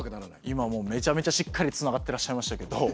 今もうめちゃめちゃしっかりつながってらっしゃいましたけど。